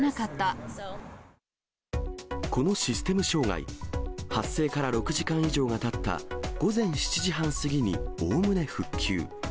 このシステム障害、発生から６時間以上がたった午前７時半過ぎにおおむね復旧。